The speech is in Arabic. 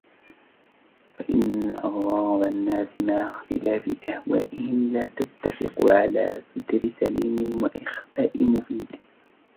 فَإِنَّ أَغْرَاضَ النَّاسِ مَعَ اخْتِلَافِ أَهْوَائِهِمْ لَا تَتَّفِقُ عَلَى سَتْرِ سَلِيمٍ وَإِخْفَاءِ مُفِيدٍ